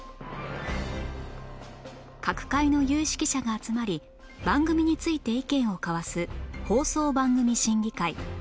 各界の有識者が集まり番組について意見を交わす放送番組審議会